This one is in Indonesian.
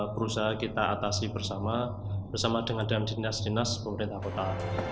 berusaha kita atasi bersama dengan dinas dinas pemerintah kota